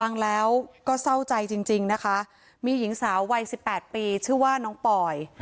ฟังแล้วก็เศร้าใจจริงนะคะมีหญิงสาววัย๑๘ปีชื่อว่าน้องปอย